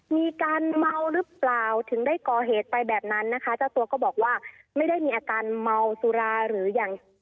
มีการเมาหรือเปล่าถึงได้ก่อเหตุไปแบบนั้นนะคะเจ้าตัวก็บอกว่าไม่ได้มีอาการเมาสุราหรือยัง